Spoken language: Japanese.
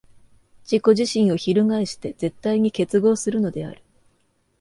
自己自身を翻して絶対に結合するのである。